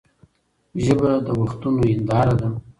ژبه د وختونو هنداره ده.